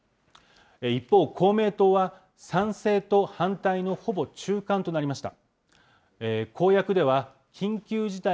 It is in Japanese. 一方、公明党は、賛成と反対のほぼ中間となりました。